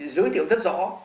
giới thiệu rất rõ